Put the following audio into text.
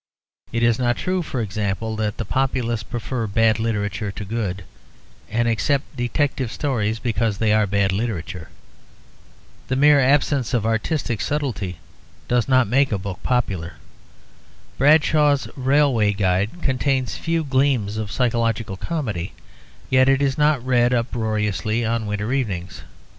It is not true, for example, that the populace prefer bad literature to good, and accept detective stories because they are bad literature. The mere absence of artistic subtlety does not make a book popular. Bradshaw's Railway Guide contains few gleams of psychological comedy, yet it is not read aloud uproariously on winter evenings.